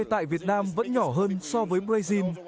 tại việt nam vẫn nhỏ hơn so với brazil